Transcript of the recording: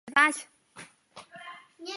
游戏比初代难很多。